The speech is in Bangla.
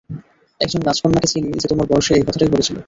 একজন রাজকন্যাকে চিনি যে তোমার বয়সে এই কথাটাই বলেছিলো।